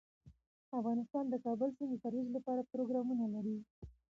افغانستان د کابل سیند د ترویج لپاره پروګرامونه لري.